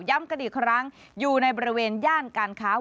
กันอีกครั้งอยู่ในบริเวณย่านการค้า